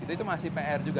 itu masih pr juga